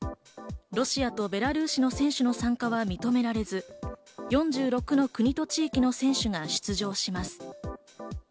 ロシアとベラルーシの選手の参加は認められず、４６の国と地域の選手が出場します。